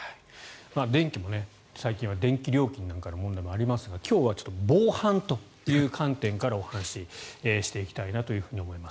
電気も最近も電気料金の問題もありますが今日は防犯という観点からお話をしていきたいと思います。